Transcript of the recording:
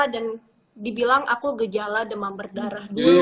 dan dibilang aku gejala demam berdarah